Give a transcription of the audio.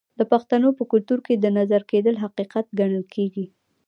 د پښتنو په کلتور کې د نظر کیدل حقیقت ګڼل کیږي.